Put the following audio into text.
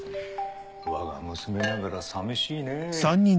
わが娘ながら寂しいね。